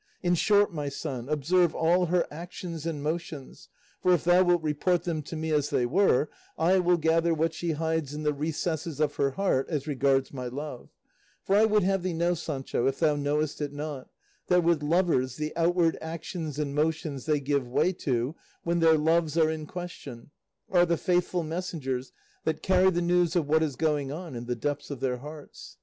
In short, my son, observe all her actions and motions, for if thou wilt report them to me as they were, I will gather what she hides in the recesses of her heart as regards my love; for I would have thee know, Sancho, if thou knowest it not, that with lovers the outward actions and motions they give way to when their loves are in question are the faithful messengers that carry the news of what is going on in the depths of their hearts.